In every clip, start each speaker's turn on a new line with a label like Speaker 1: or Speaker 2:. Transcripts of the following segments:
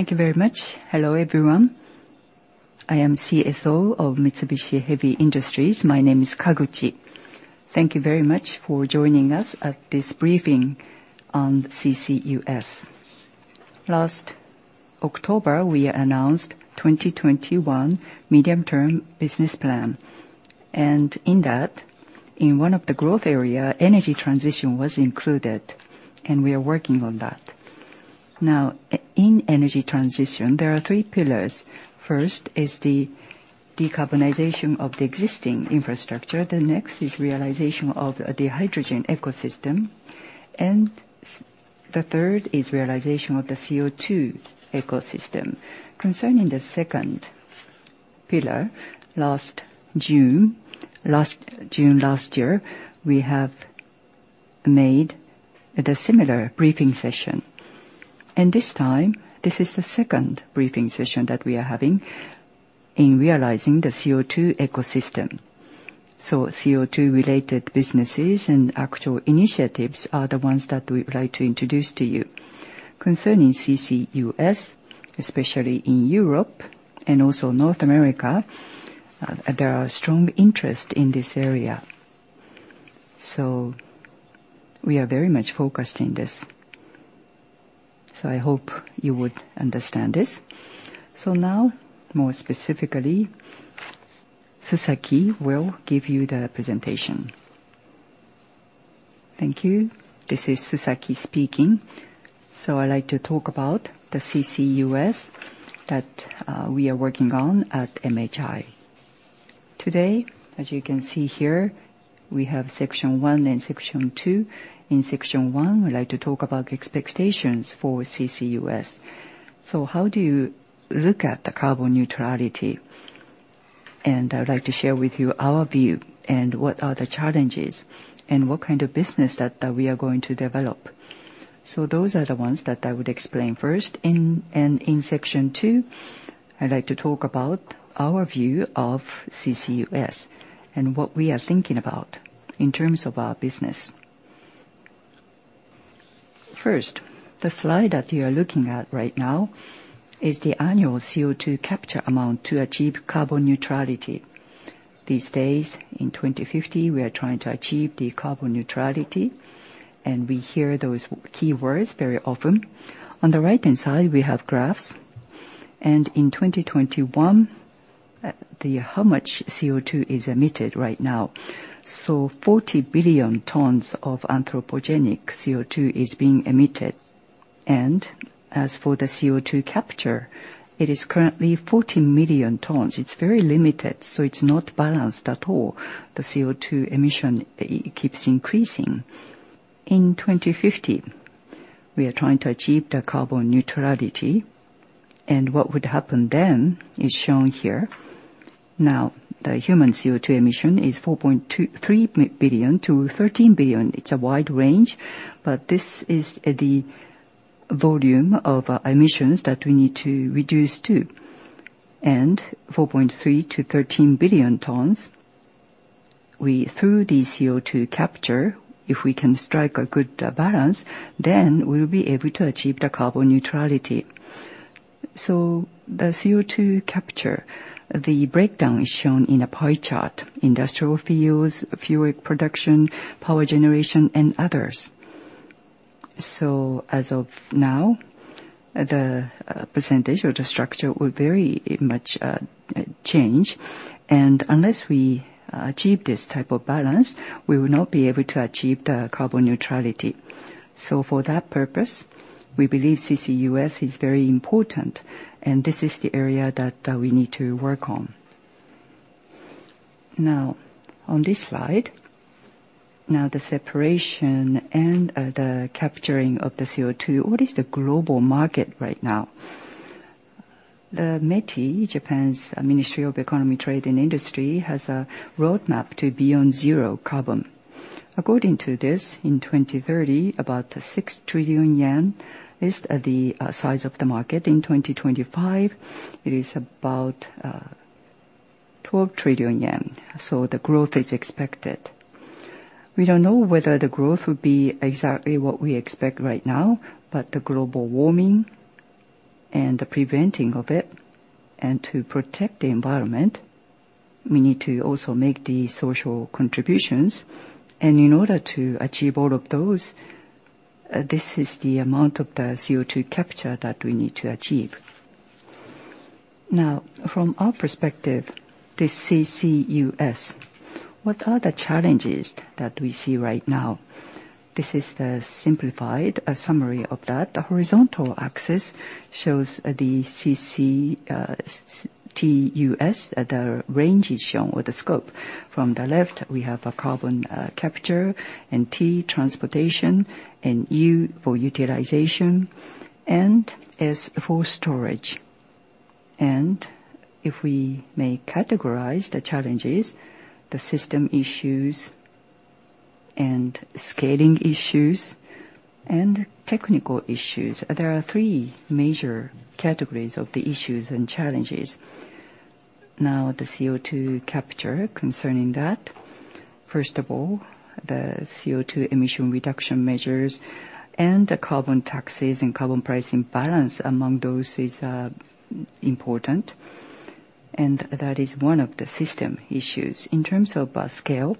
Speaker 1: Thank you very much. Hello, everyone. I am CSO of Mitsubishi Heavy Industries. My name is Kaguchi. Thank you very much for joining us at this briefing on CCUS. Last October, we announced 2021 Medium-Term Business Plan. In that, in one of the growth areas, Energy Transition was included. We are working on that. In Energy Transition, there are three pillars. First is the decarbonization of the existing infrastructure. The next is realization of the hydrogen ecosystem. The third is realization of the CO2 ecosystem. Concerning the second pillar, last June last year, we have made the similar briefing session. This time, this is the second briefing session that we are having in realizing the CO2 ecosystem. CO2-related businesses and actual initiatives are the ones that we would like to introduce to you. Concerning CCUS, especially in Europe and also North America, there are strong interest in this area. We are very much focused in this. I hope you would understand this. Now, more specifically, Sasaki will give you the presentation.
Speaker 2: Thank you. This is Sasaki speaking. I'd like to talk about the CCUS that we are working on at MHI. Today, as you can see here, we have section one and section two. In section one, I'd like to talk about expectations for CCUS. How do you look at the carbon neutrality? I would like to share with you our view and what are the challenges and what kind of business that we are going to develop. Those are the ones that I would explain first. In section two, I'd like to talk about our view of CCUS and what we are thinking about in terms of our business. First, the slide that you are looking at right now is the annual CO2 capture amount to achieve carbon neutrality. These days, in 2050, we are trying to achieve the carbon neutrality, and we hear those keywords very often. On the right-hand side, we have graphs. In 2021, how much CO2 is emitted right now. 40 billion tons of anthropogenic CO2 is being emitted. As for the CO2 capture, it is currently 14 million tons. It's very limited, so it's not balanced at all. The CO2 emission keeps increasing. In 2050, we are trying to achieve the carbon neutrality, and what would happen then is shown here. Now, the human CO2 emission is 4.3-13 billion. It's a wide range, but this is the volume of emissions that we need to reduce to. 4.3-13 billion tons, through the CO2 capture, if we can strike a good balance, then we'll be able to achieve the carbon neutrality. The CO2 capture, the breakdown is shown in a pie chart: industrial fuels, fuel production, power generation, and others. As of now, the percentage or the structure will very much change, and unless we achieve this type of balance, we will not be able to achieve the carbon neutrality. For that purpose, we believe CCUS is very important, and this is the area that we need to work on. On this slide, the separation and the capturing of the CO2, what is the global market right now? The METI, Japan's Ministry of Economy, Trade and Industry, has a Roadmap to Beyond-Zero Carbon. According to this, in 2030, about 6 trillion yen is the size of the market. In 2025, it is about 12 trillion yen. The growth is expected. We don't know whether the growth will be exactly what we expect right now, but the global warming and the preventing of it, and to protect the environment, we need to also make the social contributions. In order to achieve all of those, this is the amount of the CO2 capture that we need to achieve. From our perspective, the CCUS, what are the challenges that we see right now? This is the simplified summary of that. The horizontal axis shows the CCUS, the range is shown, or the scope. From the left, we have a carbon capture, and T, transportation, and U for utilization, and S for storage. If we may categorize the challenges, the system issues, scaling issues, and technical issues. There are three major categories of the issues and challenges. Now the CO2 capture concerning that, first of all, the CO2 emission reduction measures and the carbon taxes and carbon pricing balance among those is important, and that is one of the system issues. In terms of scale,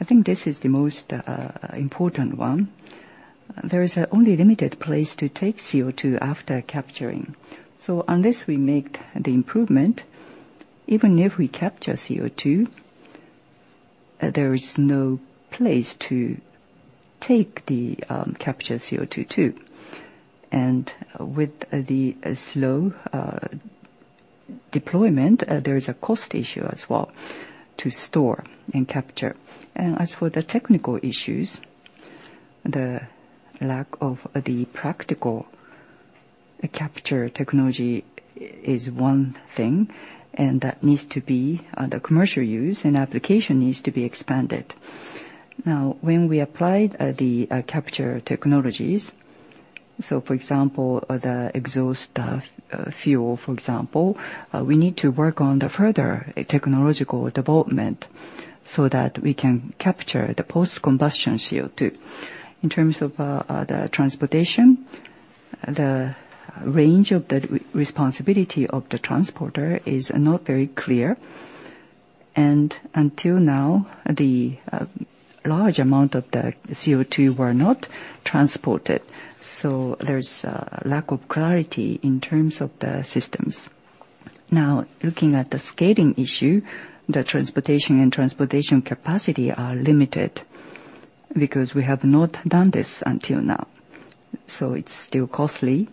Speaker 2: I think this is the most important one. There is only a limited place to take CO2 after capturing. Unless we make the improvement, even if we capture CO2, there is no place to take the captured CO2 to. With the slow deployment, there is a cost issue as well to store and capture. As for the technical issues, the lack of the practical capture technology is one thing, and that needs to be the commercial use and application needs to be expanded. When we applied the capture technologies, so for example, the exhaust flue, for example, we need to work on the further technological development so that we can capture the post-combustion CO2. In terms of the transportation, the range of the responsibility of the transporter is not very clear. Until now, the large amount of the CO2 were not transported. There's a lack of clarity in terms of the systems. Looking at the scaling issue, the transportation and transportation capacity are limited because we have not done this until now. It's still costly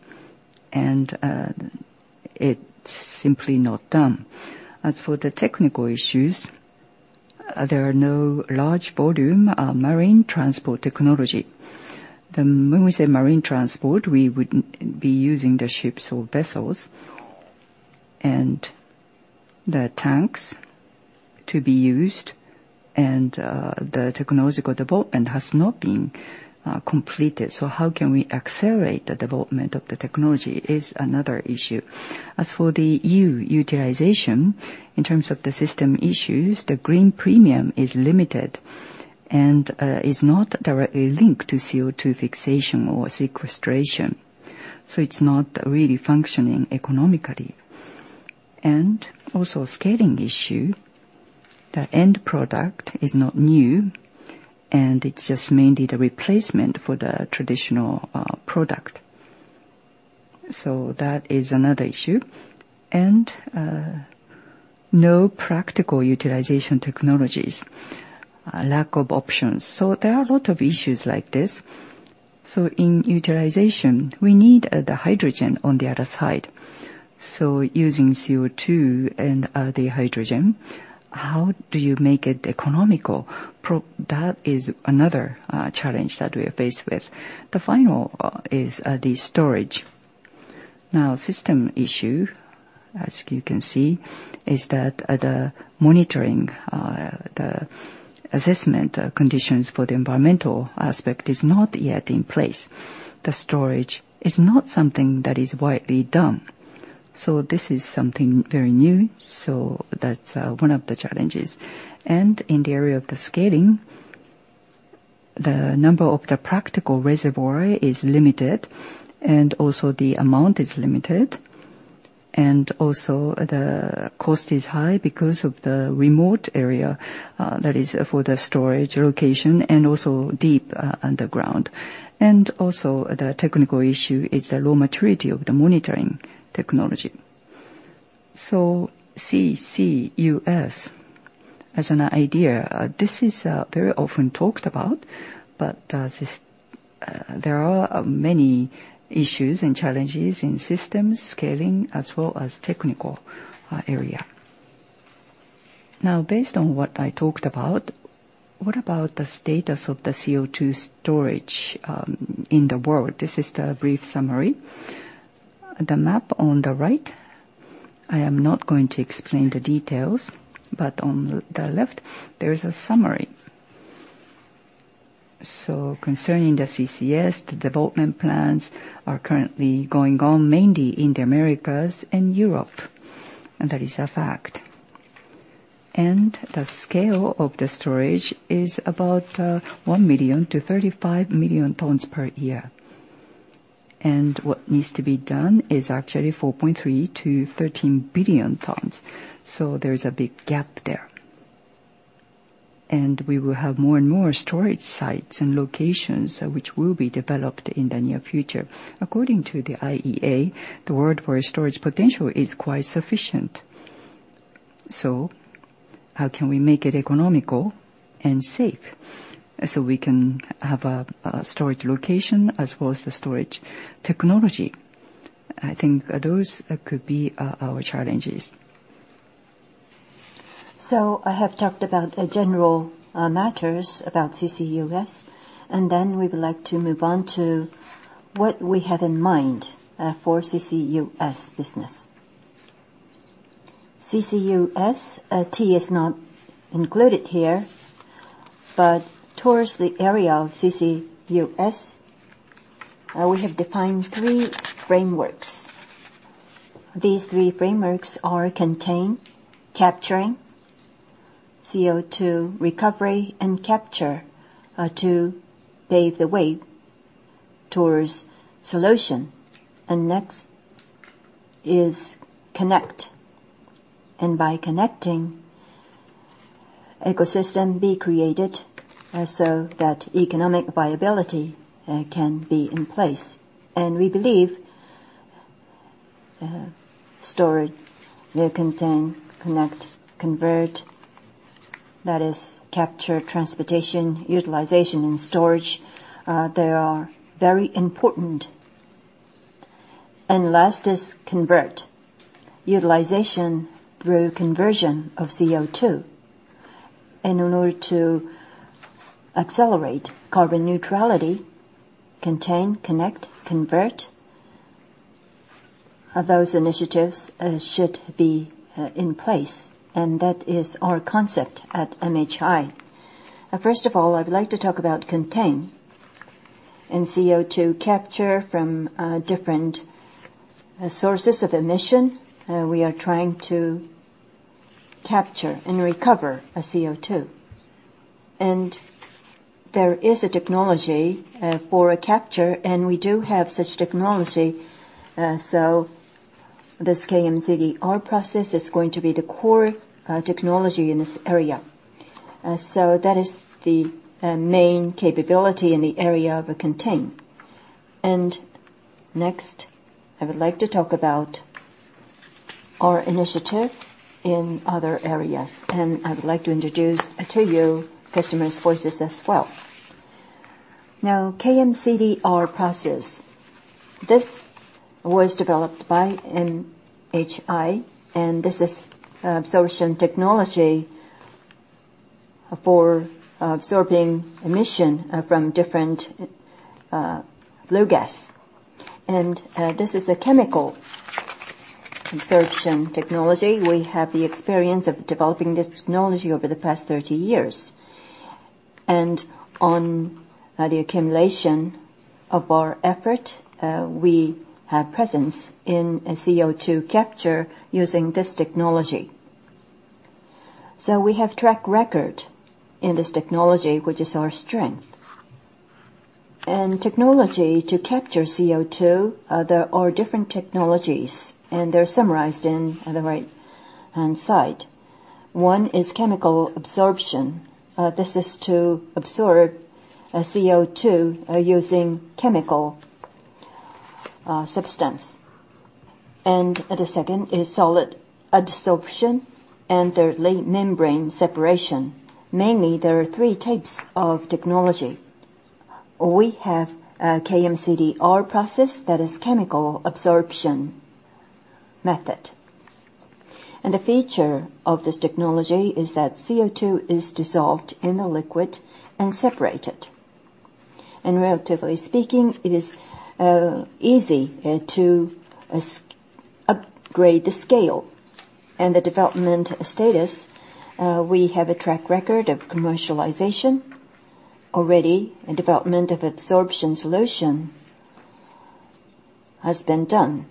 Speaker 2: and it's simply not done. As for the technical issues, there are no large volume marine transport technology. When we say marine transport, we would be using the ships or vessels and the tanks to be used, and the technological development has not been completed. How can we accelerate the development of the technology is another issue. As for the U, utilization, in terms of the system issues, the green premium is limited and is not directly linked to CO2 fixation or sequestration. It's not really functioning economically. Also a scaling issue, the end product is not new and it's just mainly the replacement for the traditional product. That is another issue. No practical utilization technologies, lack of options. There are a lot of issues like this. In utilization, we need the hydrogen on the other side. Using CO2 and the hydrogen, how do you make it economical? That is another challenge that we are faced with. The final is the storage. Now, system issue, as you can see, is that the monitoring, the assessment conditions for the environmental aspect is not yet in place. The storage is not something that is widely done. This is something very new. That's one of the challenges. In the area of the scaling, the number of the practical reservoir is limited, and also the amount is limited. Also the cost is high because of the remote area, that is for the storage location and also deep underground. Also the technical issue is the low maturity of the monitoring technology. CCUS as an idea, this is very often talked about, but there are many issues and challenges in systems, scaling, as well as technical area. Now, based on what I talked about, what about the status of the CO2 storage in the world? This is the brief summary. The map on the right, I am not going to explain the details, but on the left there is a summary. Concerning the CCS, the development plans are currently going on mainly in the Americas and Europe, that is a fact. The scale of the storage is about 1 to 35 million tons per year. What needs to be done is actually 4.3 to 13 billion tons. There's a big gap there. We will have more and more storage sites and locations which will be developed in the near future. According to the IEA, the word for storage potential is quite sufficient. How can we make it economical and safe so we can have a storage location as well as the storage technology? I think those could be our challenges. I have talked about the general matters about CCUS, and then we would like to move on to what we have in mind for CCUS business. CCUS, T is not included here, but towards the area of CCUS. We have defined three frameworks. These three frameworks are contained, capturing CO2 recovery and capture to pave the way towards solution. Next is connect. By connecting, ecosystem be created so that economic viability can be in place. We believe store, contain, connect, convert, that is capture, transportation, utilization, and storage, they are very important. Last is convert. Utilization through conversion of CO2. In order to accelerate carbon neutrality, contain, connect, convert, those initiatives should be in place. That is our concept at MHI. First of all, I would like to talk about contain and CO2 capture from different sources of emission. We are trying to capture and recover CO2. There is a technology for a capture, and we do have such technology. This KM-CDR Process is going to be the core technology in this area. That is the main capability in the area of a contain. Next, I would like to talk about our initiative in other areas. I would like to introduce to you customers' voices as well. KM CDR Process. This was developed by MHI, and this is absorption technology for absorbing emission from different flue gas. This is a chemical absorption technology. We have the experience of developing this technology over the past 30 years. On the accumulation of our effort, we have presence in CO2 capture using this technology. We have track record in this technology, which is our strength. Technology to capture CO2, there are different technologies, and they're summarized in the right-hand side. One is chemical absorption. This is to absorb CO2 using chemical substance. The second is solid adsorption, and thirdly, membrane separation. Mainly, there are three types of technology. We have a KM CDR Process that is chemical absorption method. The feature of this technology is that CO2 is dissolved in the liquid and separated. Relatively speaking, it is easy to upgrade the scale. The development status, we have a track record of commercialization already, and development of absorption solution has been done.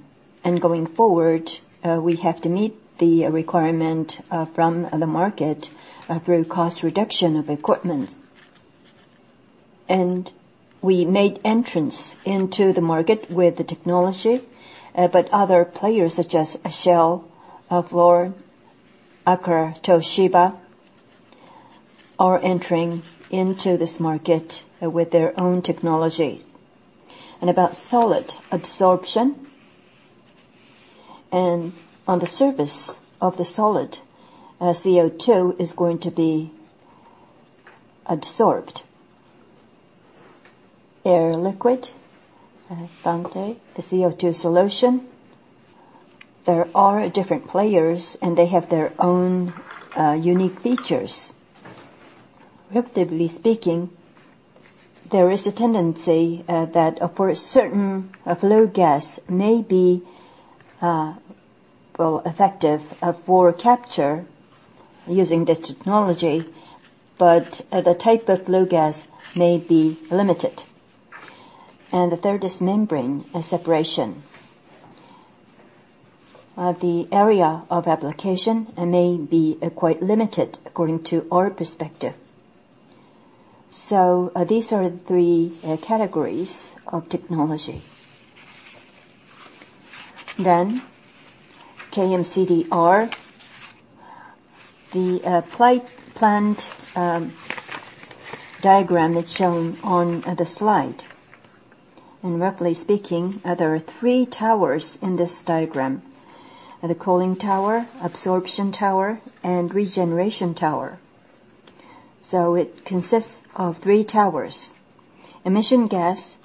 Speaker 2: Going forward, we have to meet the requirement from the market through cost reduction of equipment. We made entrance into the market with the technology, but other players such as Shell, Fluor, Aker, Toshiba, are entering into this market with their own technology. About solid adsorption, on the surface of the solid, CO2 is going to be adsorbed. Air Liquide, Svante, CO2 Solutions, there are different players, and they have their own unique features. Relatively speaking, there is a tendency that for a certain flue gas may be effective for capture using this technology, but the type of flue gas may be limited. The third is membrane separation. The area of application may be quite limited according to our perspective. These are the three categories of technology. KM-CDR, the plant diagram that's shown on the slide. Roughly speaking, there are three towers in this diagram. The cooling tower, absorption tower, and regeneration tower. It consists of three towers. Emission gas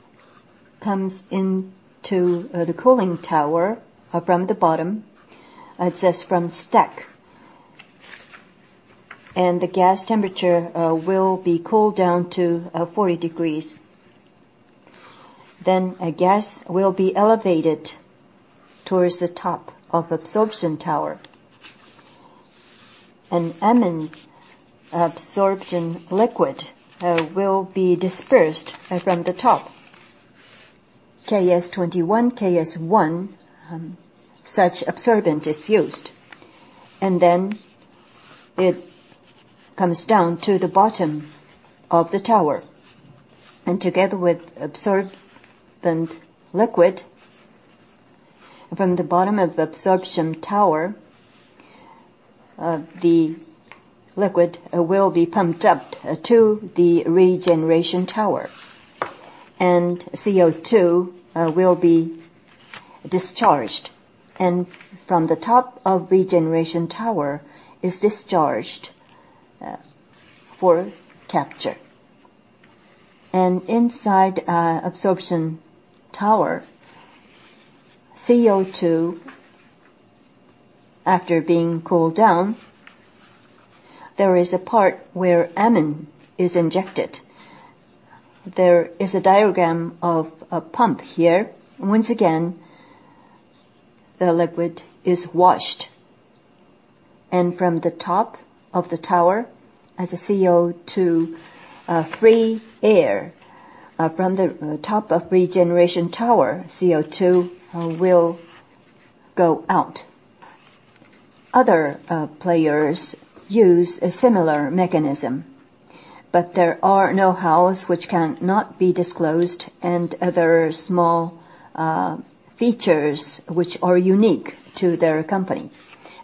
Speaker 2: comes into the cooling tower from the bottom, just from stack. The gas temperature will be cooled down to 40 degrees. Gas will be elevated towards the top of absorption tower. An amine absorption liquid will be dispersed from the top. KS-21, KS-1, such absorbent is used. It comes down to the bottom of the tower. Together with absorbent liquid from the bottom of the absorption tower, the liquid will be pumped up to the regeneration tower, and CO2 will be discharged. From the top of regeneration tower, is discharged for capture. Inside absorption tower, CO2, after being cooled down, there is a part where amine is injected. There is a diagram of a pump here. Once again, the liquid is washed. From the top of the tower as a CO2-free air, from the top of regeneration tower, CO2 will go out. Other players use a similar mechanism, but there are knowhows which can not be disclosed and other small features which are unique to their company.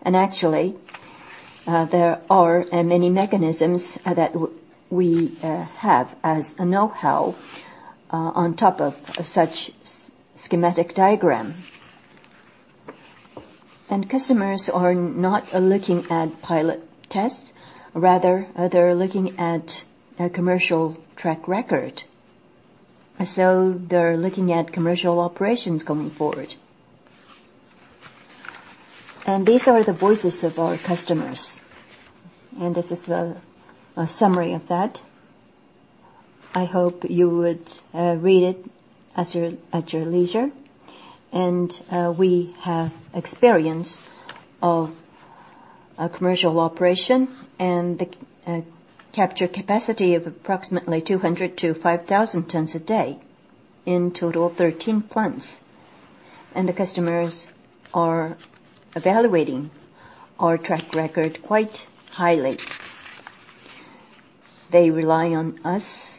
Speaker 2: Actually, there are many mechanisms that we have as a knowhow on top of such schematic diagram. Customers are not looking at pilot tests, rather, they're looking at a commercial track record. They're looking at commercial operations going forward. These are the voices of our customers. This is a summary of that. I hope you would read it at your leisure. We have experience of a commercial operation and the capture capacity of approximately 200 to 5,000 tons a day in total of 13 plants. The customers are evaluating our track record quite highly. They rely on us,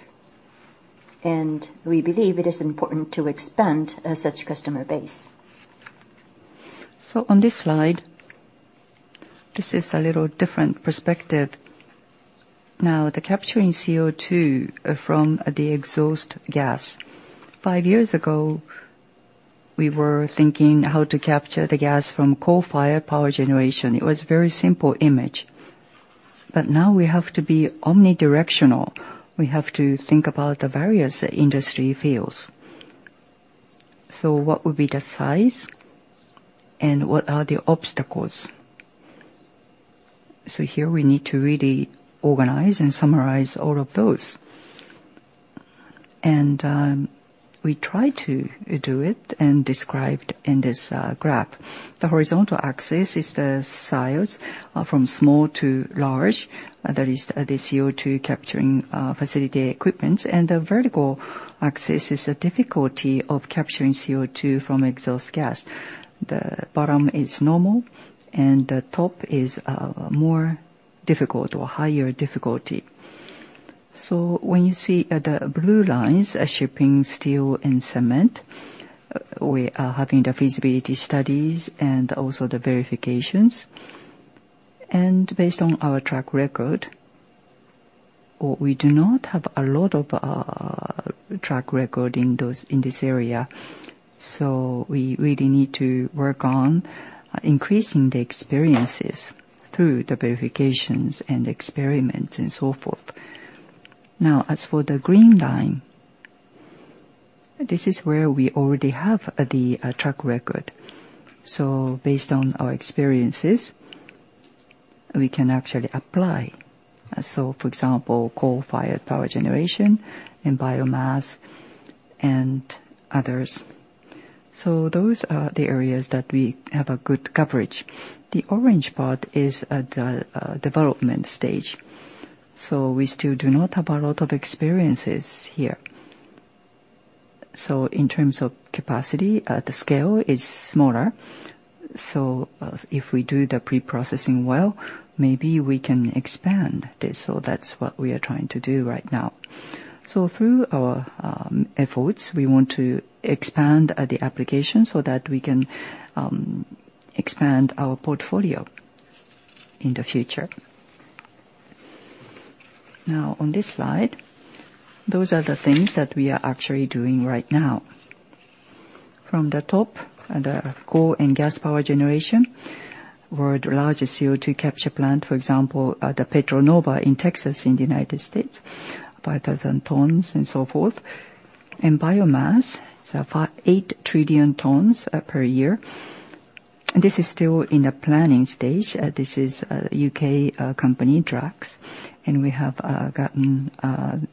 Speaker 2: and we believe it is important to expand such customer base. On this slide, this is a little different perspective. Now, the capturing CO2 from the exhaust gas. Five years ago, we were thinking how to capture the gas from coal-fired power generation. It was very simple image. Now we have to be omnidirectional. We have to think about the various industry fields. What would be the size, and what are the obstacles? Here we need to really organize and summarize all of those. We try to do it and described in this graph. The horizontal axis is the size from small to large. That is the CO2 capturing facility equipment. The vertical axis is the difficulty of capturing CO2 from exhaust gas. The bottom is normal, and the top is more difficult or higher difficulty. When you see the blue lines, shipping, steel, and cement, we are having the feasibility studies and also the verifications. Based on our track record, we do not have a lot of track record in this area. We really need to work on increasing the experiences through the verifications and experiments and so forth. As for the green line, this is where we already have the track record. Based on our experiences, we can actually apply. For example, coal-fired power generation and biomass and others. Those are the areas that we have a good coverage. The orange part is the development stage. We still do not have a lot of experiences here. In terms of capacity, the scale is smaller. If we do the preprocessing well, maybe we can expand this. That's what we are trying to do right now. Through our efforts, we want to expand the application so that we can expand our portfolio in the future. Now on this slide, those are the things that we are actually doing right now. From the top, the coal and gas power generation, world largest CO2 capture plant, for example, the Petra Nova in Texas, in the United States, 5,000 tons and so forth. In biomass, so far 8 million tons per year. This is still in the planning stage. This is a U.K. company, Drax, and we have gotten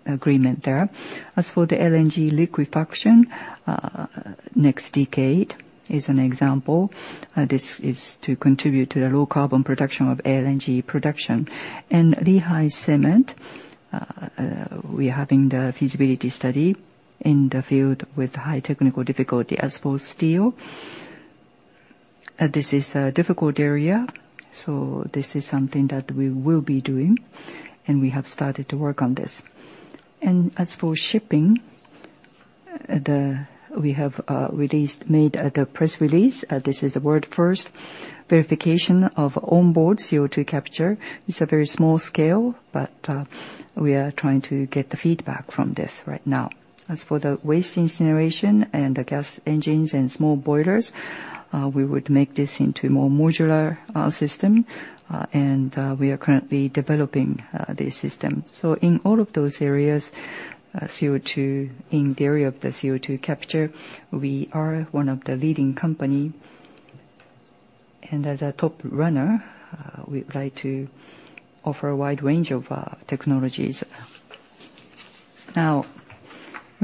Speaker 2: agreement there. As for the LNG liquefaction, NextDecade is an example. This is to contribute to the low-carbon production of LNG production. In Lehigh Cement, we are having the feasibility study in the field with high technical difficulty. As for steel, this is a difficult area, so this is something that we will be doing, and we have started to work on this. As for shipping, we have made the press release. This is a world first verification of onboard CO2 capture. It's a very small scale, but we are trying to get the feedback from this right now. As for the waste incineration and the gas engines and small boilers, we would make this into a more modular system, and we are currently developing this system. In all of those areas, in the area of the CO2 capture, we are one of the leading company. As a top runner, we would like to offer a wide range of technologies.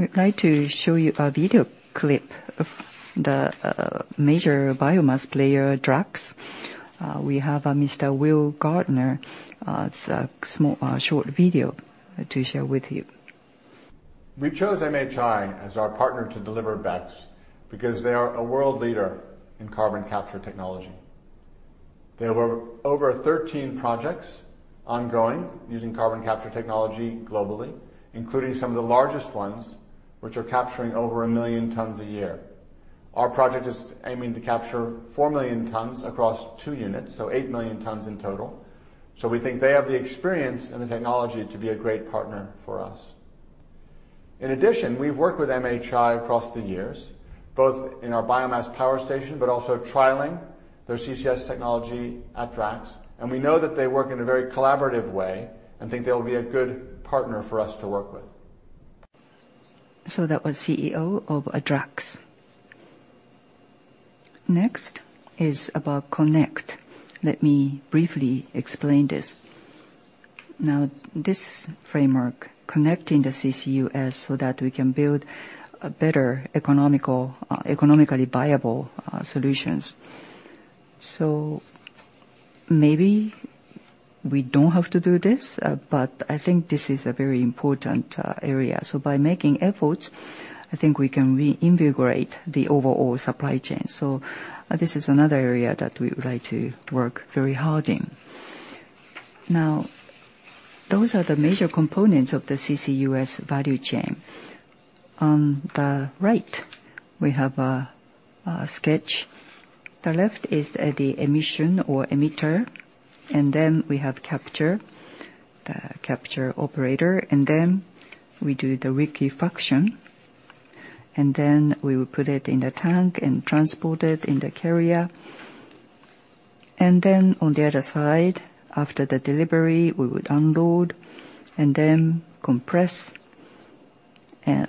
Speaker 2: We'd like to show you a video clip of the major biomass player, Drax. We have Mr. Will Gardiner. It's a short video to share with you.
Speaker 3: We chose MHI as our partner to deliver BECCS because they are a world leader in carbon capture technology. They have over 13 projects ongoing using carbon capture technology globally, including some of the largest ones, which are capturing over 1 million tons a year. Our project is aiming to capture 4 million tons across 2 units. Eight million tons in total. We think they have the experience and the technology to be a great partner for us. In addition, we've worked with MHI across the years, both in our biomass power station, but also trialing their CCS technology at Drax, and we know that they work in a very collaborative way and think they'll be a good partner for us to work with.
Speaker 2: That was CEO of Drax. Next is about CO2NNEX. Let me briefly explain this. This framework, connecting the CCUS so that we can build a better economically viable solutions. Maybe we don't have to do this, but I think this is a very important area. By making efforts, I think we can reinvigorate the overall supply chain. This is another area that we would like to work very hard in. Those are the major components of the CCUS value chain. On the right, we have a sketch. The left is the emission or emitter, and then we have capture, the capture operator, and then we do the liquefaction, and then we will put it in a tank and transport it in the carrier. On the other side, after the delivery, we would unload and then compress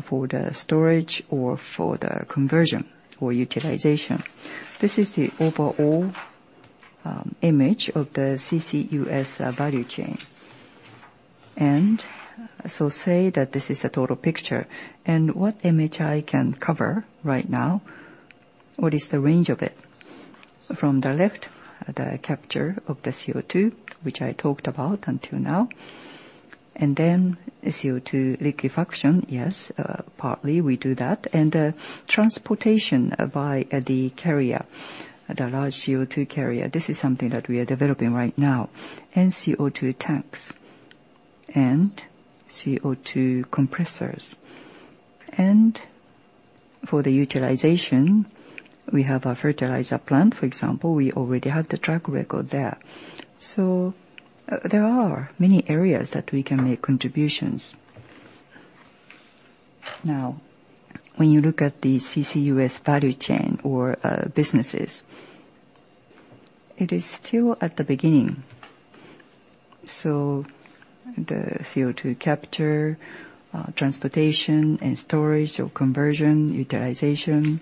Speaker 2: for the storage or for the conversion or utilization. This is the overall image of the CCUS value chain. Say that this is the total picture, and what MHI can cover right now, what is the range of it? From the left, the capture of the CO2, which I talked about until now, CO2 liquefaction, yes, partly we do that, transportation via the carrier, the large CO2 carrier. This is something that we are developing right now. CO2 tanks and CO2 compressors. For the utilization, we have a fertilizer plant, for example. We already have the track record there. There are many areas that we can make contributions. When you look at the CCUS value chain or businesses, it is still at the beginning. The CO2 capture, transportation, and storage or conversion, utilization,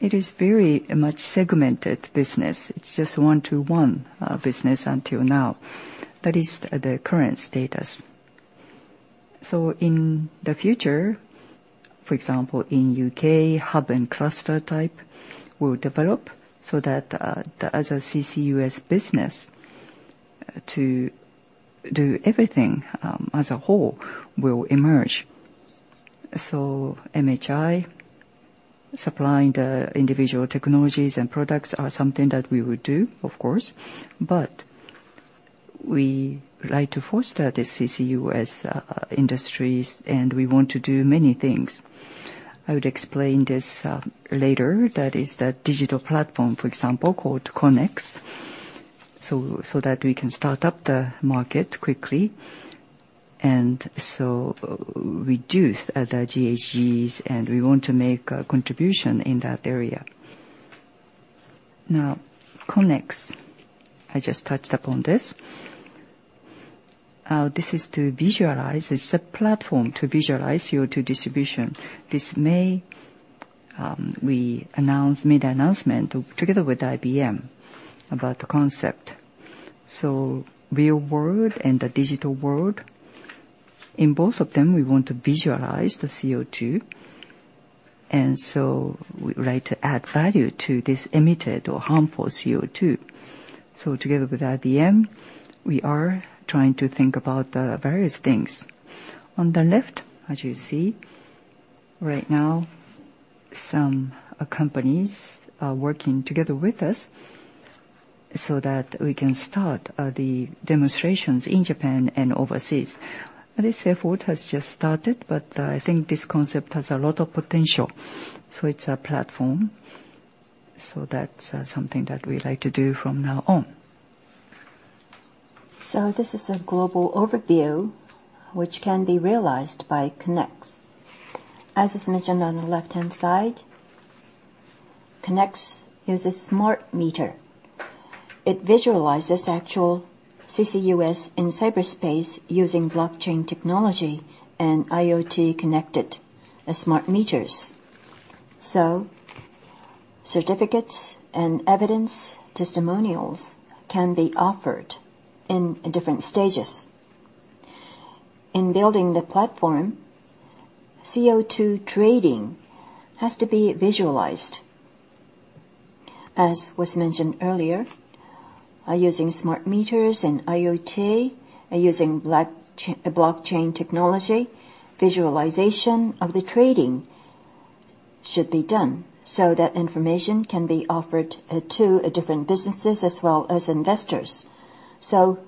Speaker 2: it is very much segmented business. It's just one-to-one business until now. That is the current status. In the future, for example, in U.K., hub and cluster type will develop so that as a CCUS business to do everything, as a whole, will emerge. MHI supplying the individual technologies and products are something that we would do, of course, but we try to foster the CCUS industries, and we want to do many things. I would explain this later. That is the digital platform, for example, called CO2NNEX, so that we can start up the market quickly and so reduce the GHGs, and we want to make a contribution in that area. CO2NNEX. I just touched upon this. This is to visualize. It's a platform to visualize CO2 distribution. This May, we made an announcement together with IBM about the concept. Real world and the digital world, in both of them, we want to visualize the CO2. We would like to add value to this emitted or harmful CO2. Together with IBM, we are trying to think about the various things. On the left, as you see, right now, some companies are working together with us so that we can start the demonstrations in Japan and overseas. This effort has just started, but I think this concept has a lot of potential. It's a platform. That's something that we'd like to do from now on. This is a global overview, which can be realized by CO2NNEX. As is mentioned on the left-hand side, CO2NNEX uses smart meter. It visualizes actual CCUS in cyberspace using blockchain technology and IoT-connected smart meters. Certificates and evidence testimonials can be offered in different stages. In building the platform, CO2 trading has to be visualized. As was mentioned earlier, using smart meters and IoT, using blockchain technology, visualization of the trading should be done, so that information can be offered to different businesses as well as investors.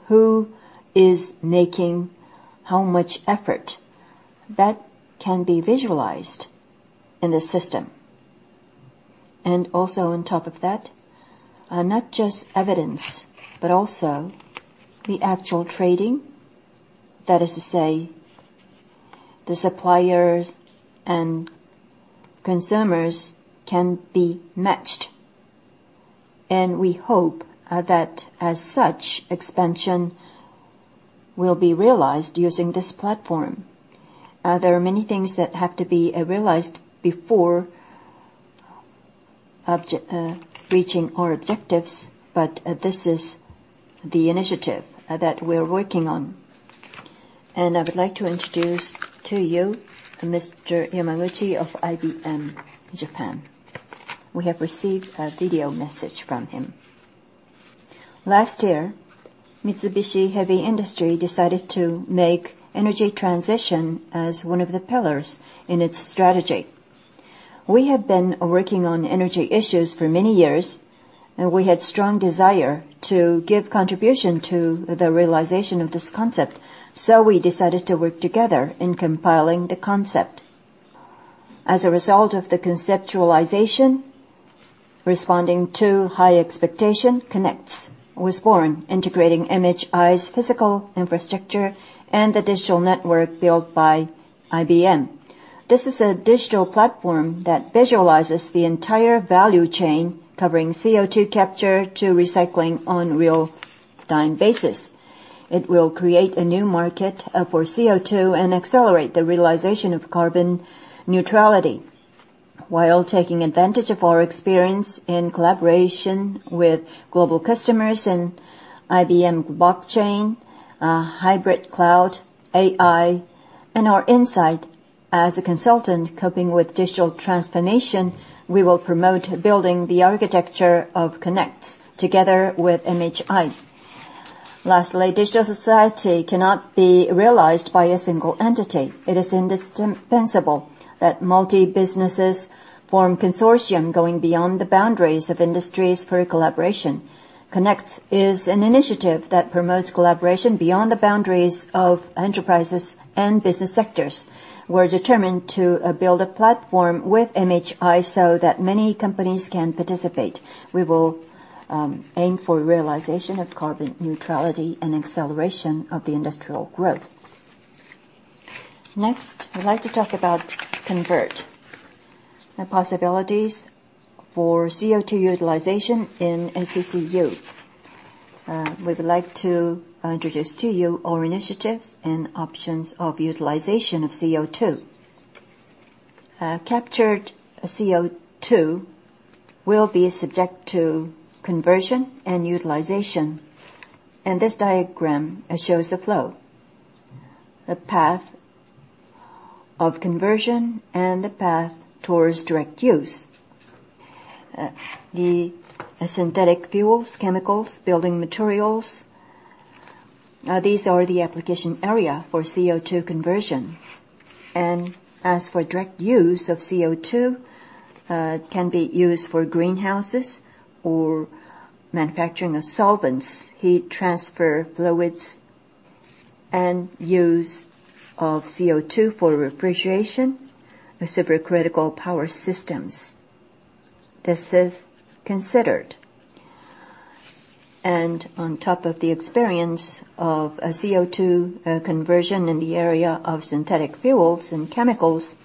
Speaker 2: Who is making how much effort? That can be visualized in the system. Also on top of that, not just evidence, but also the actual trading. That is to say, the suppliers and consumers can be matched. We hope that as such, expansion will be realized using this platform. There are many things that have to be realized before reaching our objectives, but this is the initiative that we're working on. I would like to introduce to you, Mr. Yamaguchi of IBM Japan. We have received a video message from him.
Speaker 4: Last year, Mitsubishi Heavy Industries decided to make Energy Transition as one of the pillars in its strategy. We have been working on energy issues for many years, we had strong desire to give contribution to the realization of this concept. We decided to work together in compiling the concept. As a result of the conceptualization, responding to high expectation, CO2NNEX was born, integrating MHI's physical infrastructure and the digital network built by IBM. This is a digital platform that visualizes the entire value chain, covering CO2 capture to recycling on real-time basis. It will create a new market for CO2 and accelerate the realization of carbon neutrality, while taking advantage of our experience in collaboration with global customers in IBM blockchain, hybrid cloud, AI. Our insight as a consultant coping with digital transformation, we will promote building the architecture of CO2NNEX together with MHI. Digital society cannot be realized by a single entity. It is indispensable that multi businesses form consortium going beyond the boundaries of industries for collaboration. CO2NNEX is an initiative that promotes collaboration beyond the boundaries of enterprises and business sectors. We're determined to build a platform with MHI so that many companies can participate. We will aim for realization of carbon neutrality and acceleration of the industrial growth. I'd like to talk about Convert, the possibilities for CO2 utilization in CCU. We would like to introduce to you our initiatives and options of utilization of CO2. Captured CO2 will be subject to conversion and utilization, and this diagram shows the flow, the path of conversion, and the path towards direct use. The synthetic fuels, chemicals, building materials, these are the application area for CO2 conversion.
Speaker 2: As for direct use of CO2, can be used for greenhouses or manufacturing of solvents, heat transfer fluids, and use of CO2 for refrigeration or supercritical power systems. This is considered. On top of the experience of CO2 conversion in the area of synthetic fuels and chemicals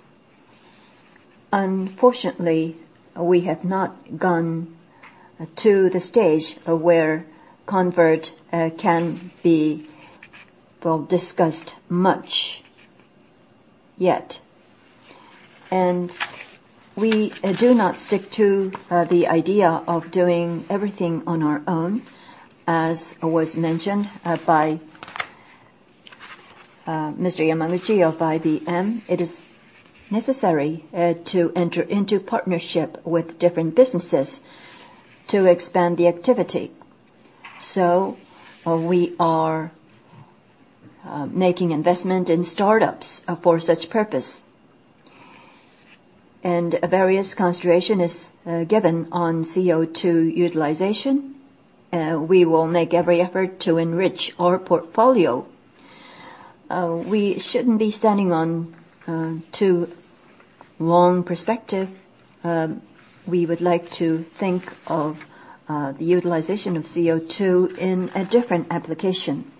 Speaker 2: Unfortunately, we have not gone to the stage where convert can be discussed much yet. We do not stick to the idea of doing everything on our own, as was mentioned by Mr. Yamaguchi of IBM. It is necessary to enter into partnership with different businesses to expand the activity. We are making investment in startups for such purpose. Various consideration is given on CO2 utilization. We will make every effort to enrich our portfolio. We shouldn't be standing on too long perspective. We would like to think of the utilization of CO2 in a different application.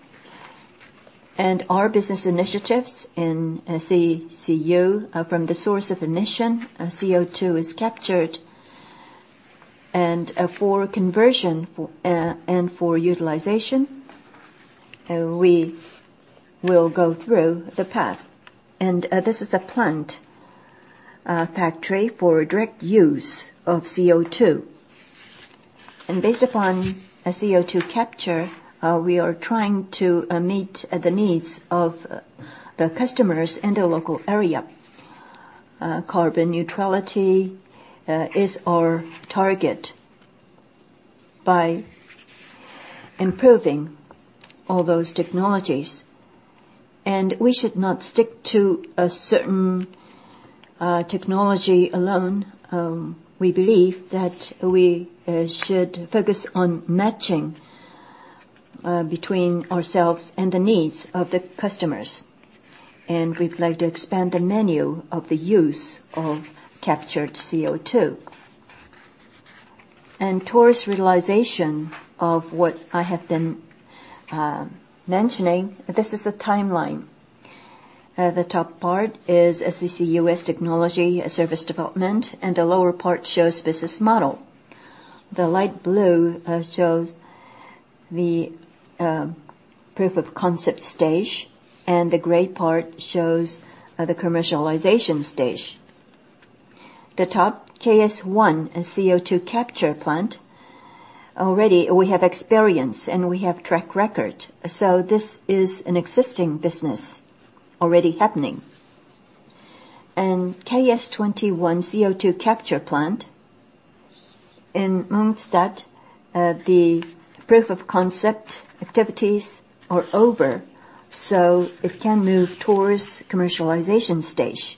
Speaker 2: Our business initiatives in CCUS from the source of emission, CO2 is captured and for conversion and for utilization, we will go through the path. This is a plant factory for direct use of CO2. Based upon CO2 capture, we are trying to meet the needs of the customers in the local area. Carbon neutrality is our target by improving all those technologies. We should not stick to a certain technology alone. We believe that we should focus on matching between ourselves and the needs of the customers. We'd like to expand the menu of the use of captured CO2. Towards realization of what I have been mentioning, this is the timeline. The top part is CCUS technology service development, and the lower part shows business model. The light blue shows the proof of concept stage, and the gray part shows the commercialization stage. The top KS-1, a CO2 capture plant. Already we have experience, and we have track record. This is an existing business already happening. KS-21 CO2 capture plant in Mongstad, the proof of concept activities are over, so it can move towards commercialization stage.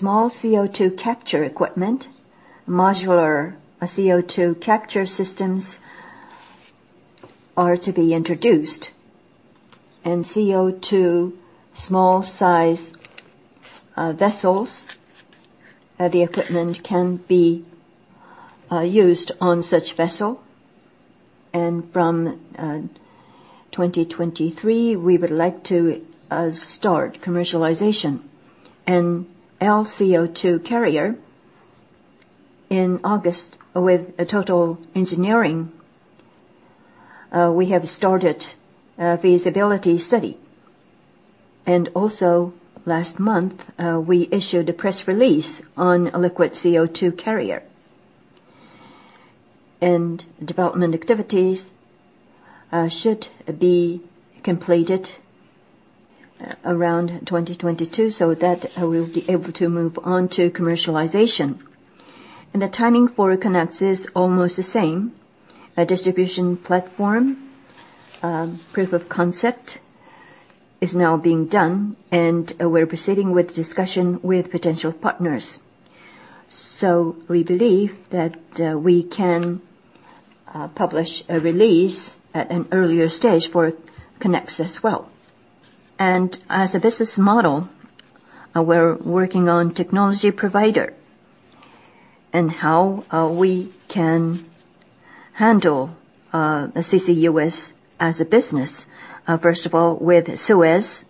Speaker 2: Small CO2 capture equipment, modular CO2 capture systems are to be introduced. CO2 small size vessels, the equipment can be used on such vessel. From 2023, we would like to start commercialization. LCO2 carrier in August with TotalEnergies, we have started a feasibility study. Also last month, we issued a press release on a liquid CO2 carrier. Development activities should be completed around 2022, so that we'll be able to move on to commercialization. The timing for CO2NNEX is almost the same. A distribution platform proof of concept is now being done, and we're proceeding with discussion with potential partners. We believe that we can publish a release at an earlier stage for CO2NNEX as well.
Speaker 4: As a business model, we're working on technology provider and how we can handle CCUS as a business. First of all, with Suez,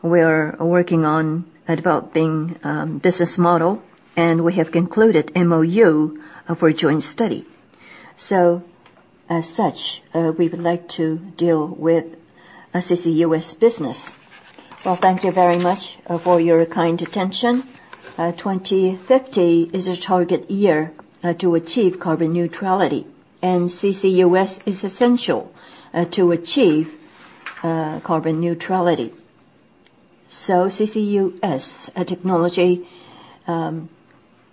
Speaker 4: we're working on developing business model, and we have concluded MoU for a joint study. As such, we would like to deal with CCUS business.
Speaker 2: Well, thank you very much for your kind attention. 2050 is a target year to achieve carbon neutrality, and CCUS is essential to achieve carbon neutrality. CCUS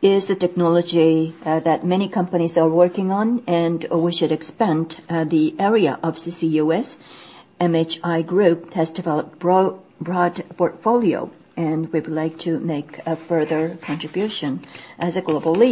Speaker 2: is the technology that many companies are working on, and we should expand the area of CCUS. MHI Group has developed broad portfolio, and we would like to make a further contribution as a global leader.